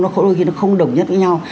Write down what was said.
nó đôi khi nó không đồng nhất với nhau